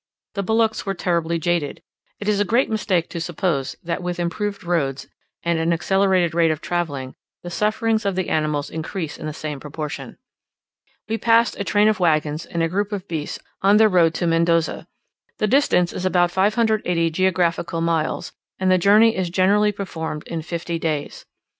The bullocks were terribly jaded: it is a great mistake to suppose that with improved roads, and an accelerated rate of travelling, the sufferings of the animals increase in the same proportion. We passed a train of waggons and a troop of beasts on their road to Mendoza. The distance is about 580 geographical miles, and the journey is generally performed in fifty days.